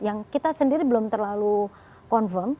yang kita sendiri belum terlalu confirm